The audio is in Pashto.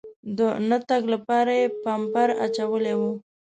د نه تګ لپاره یې پامپر اچولی و.